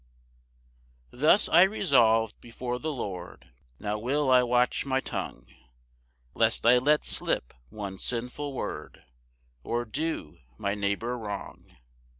1 Thus I resolv'd before the Lord, "Now will I watch my tongue, "Lest I let slip one sinful word, "Or do my neighbour wrong."